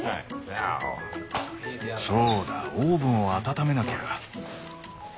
そうだオーブンを温めなきゃ。